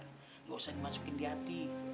tidak usah dimasukin di hati